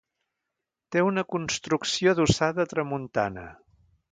Té una construcció adossada a tramuntana.